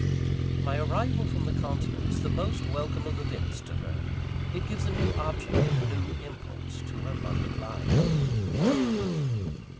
My arrival from the continent is the most welcome of events to her. It gives a new object and a new impulse to her London life.